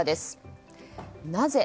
なぜ？